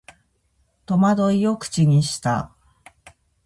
戸惑いを口にした